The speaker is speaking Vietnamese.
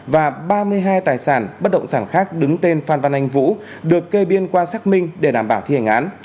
và ba mươi hai tài sản bất động sản khác đứng tên phan văn anh vũ được kê biên qua xác minh để đảm bảo thi hành án